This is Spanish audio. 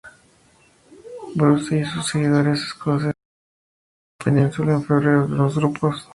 Bruce y sus seguidores escoceses regresaron a la península, en febrero, en dos grupos.